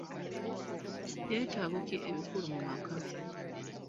Byetaago ki ebikulu mu maka?